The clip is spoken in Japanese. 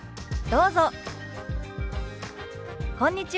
どうぞ。